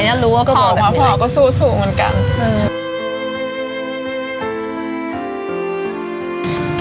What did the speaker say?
แล้วรู้ว่าพ่อแบบนี้ก็บอกว่าพ่อก็สู้สู้เหมือนกันอืม